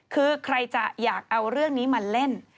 คือใครจะอยากเอาเรื่องนี้มาเล่น